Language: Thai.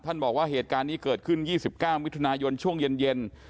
บอกว่าเหตุการณ์นี้เกิดขึ้น๒๙มิถุนายนช่วงเย็น